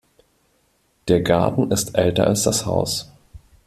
Der Garten ist älter als das Haus.